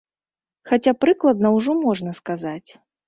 Хаця прыкладна ўжо можна сказаць.